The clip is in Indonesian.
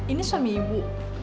ini suami ibu